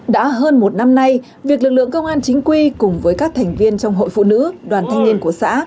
đã hơn một năm nay việc lực lượng công an chính quy cùng với các thành viên trong hội phụ nữ đoàn thanh niên của xã